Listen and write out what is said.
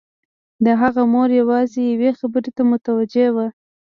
د هغه مور يوازې يوې خبرې ته متوجه وه.